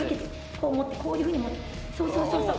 こう持ってこういうふうにそうそうそう。